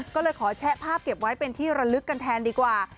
ก็เลยขอแชะภาพเก็บไว้เป็นที่ระลึกกันแทนดีกว่า